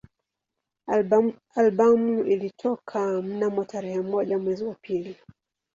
Albamu ilitoka mnamo tarehe moja mwezi wa pili